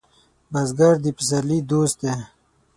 بزګر د پسرلي دوست دی